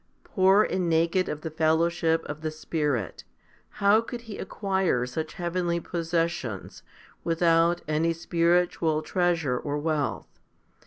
Poor and naked of the fellowship of the Spirit, how could he acquire such heavenly possessions, without any spiritual treasure or wealth